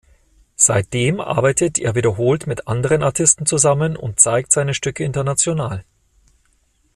Seitdem arbeitet er wiederholt mit anderen Artisten zusammen und zeigt seine Stücke international.